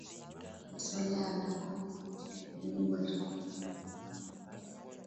masuala ya ndakwani ya nchi Lakini Bolsonaro amechukua nafasi